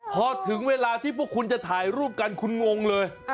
พอถึงเวลาที่พวกคุณจะถ่ายรูปกันคุณงงเลย